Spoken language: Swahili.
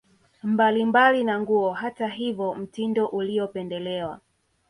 mbalimbali na nguo Hata hivyo mtindo uliopendelewa